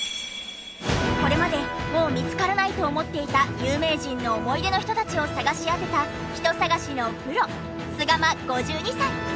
これまでもう見つからないと思っていた有名人の思い出の人たちを捜し当てた人捜しのプロスガマ５２歳。